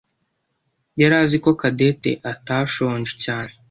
yari azi ko Cadette atashonje cyane.